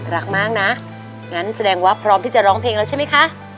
รักมากนะงั้นแสดงว่าพร้อมที่จะร้องเพลงแล้วใช่ไหมคะ